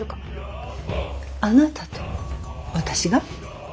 あなたと私が？